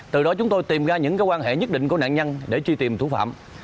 từ đó chúng tôi tìm ra những quan hệ nhất định của nạn nhân để truy tìm thủ phạm